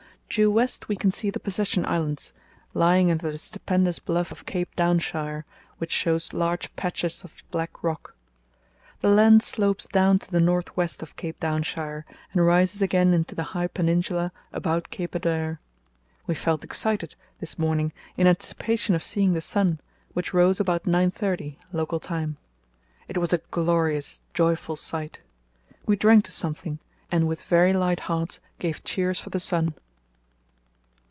Due west we can see the Possession Islands, lying under the stupendous bluff of Cape Downshire, which shows large patches of black rock. The land slopes down to the north west of Cape Downshire, and rises again into the high peninsula about Cape Adore. We felt excited this morning in anticipation of seeing the sun, which rose about nine thirty (local time). It was a glorious, joyful sight. We drank to something, and with very light hearts gave cheers for the sun.